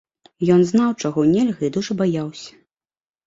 Ён знаў, чаго нельга, і дужа баяўся.